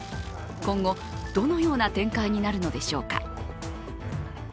今後どのような展開になるのでしょうか。